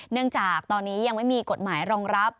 เนื่องจากตอนนี้ยังไม่มีกฎหมายรองรับ